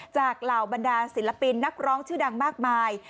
เหล่าบรรดาศิลปินนักร้องชื่อดังมากมาย